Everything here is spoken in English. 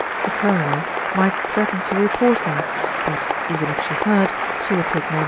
The Colonel might threaten to "report" her; but, even if she heard, she would take no notice.